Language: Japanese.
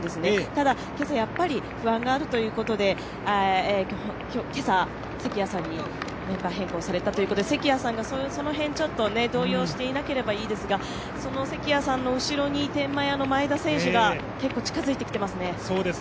ただ今朝、やっぱり不安があるということで、関谷さんにメンバー変更されたということで関谷さんがその辺、動揺していなければいいですがその関谷さんの後ろに天満屋の前田選手が近づいてきています。